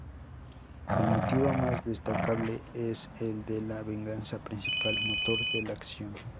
El motivo más destacable es el de la venganza, principal motor de la acción.